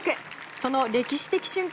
その歴史的瞬間